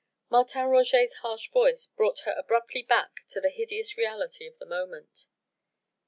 Martin Roget's harsh voice brought her abruptly back to the hideous reality of the moment.